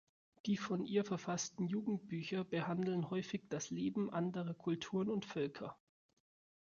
Die von ihr verfassten Jugendbücher behandeln häufig das Leben anderer Kulturen und Völker.